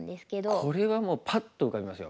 ああこれはもうパッと浮かびますよ